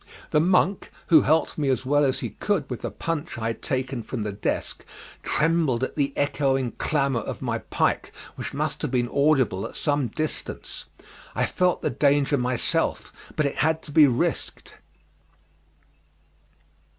The monk, who helped me as well as he could with the punch I had taken from the desk, trembled at the echoing clamour of my pike which must have been audible at some distance. I felt the danger myself, but it had to be risked.